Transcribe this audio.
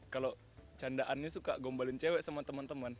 kalau candaannya suka gombalin cewek sama teman teman